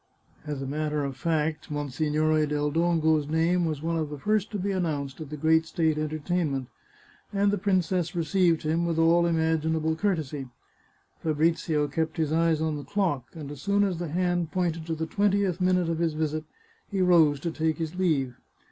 As a matter of fact, Monsignore del Dongo's name was one of the first to be announced at the great state enter tainment, and the princess received him with all imaginable courtesy. Fabrizio kept his eyes on the clock, and as soon as the hand pointed to the twentieth minute of his visit, he rose to take his leave.